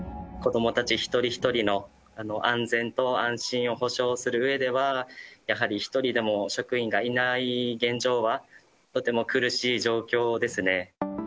子どもたち一人一人の安全と安心を保証するうえでは、やはり１人でも職員がいない現状は、とても苦しい状況ですね。